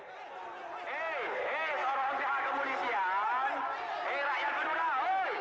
hei hei sorongan si hage polisi ya